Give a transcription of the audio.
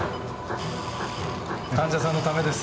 患者さんのためです。